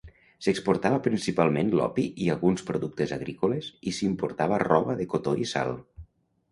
S'exportava principalment l'opi i alguns productes agrícoles i s'importava roba de cotó i sal.